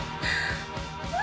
うわ！